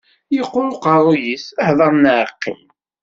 Yeqqur uqerruy-is, hdeṛ neɣ qqim.